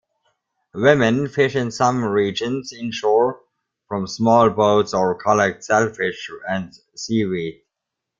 Women fish in some regions inshore from small boats or collect shellfish and seaweed.